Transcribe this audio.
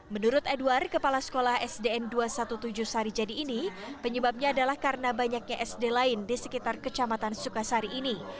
menurut edward kepala sekolah sdn dua ratus tujuh belas sarijadi ini penyebabnya adalah karena banyaknya sd lain di sekitar kecamatan sukasari ini